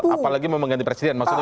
apalagi mau mengganti presiden